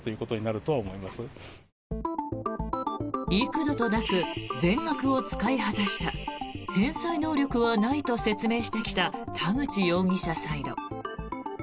幾度となく全額を使い果たした返済能力はないと説明してきた田口容疑者サイド。